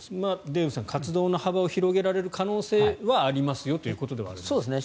デーブさん、活動の幅を広げられる可能性はありますよということですよね。